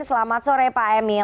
selamat sore pak emil